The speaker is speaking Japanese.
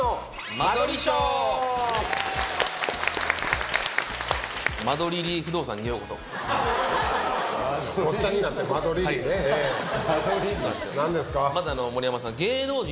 まず盛山さん。